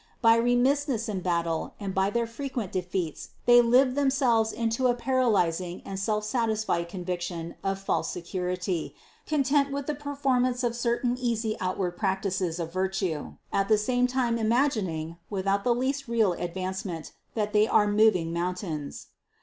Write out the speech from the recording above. By remissness in battle and by their frequent defeats they live themselves into a paralyz THE CONCEPTION 369 ing and self satisfied conviction of false security, content with the performance of certain easy outward practices of virtue, at the same time imagining (without the least real advancement) that they are moving mountains.